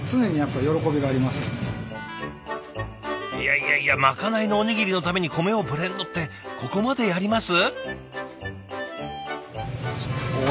いやいやまかないのおにぎりのために米をブレンドってここまでやります？